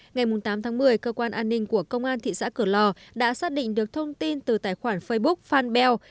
ngày tám tháng một mươi cơ quan an ninh của công an thị xã cửa lò đã xác định được thông tin từ tài khoản facebook fanbell